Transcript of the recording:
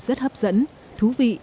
rất hấp dẫn thú vị